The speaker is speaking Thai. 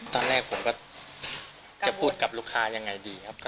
ตอนแรกผมก็จะพูดกับลูกค้ายังไงดีครับ